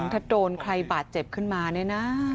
ถ้าโดนใครบาดเจ็บขึ้นมาเนี่ยนะ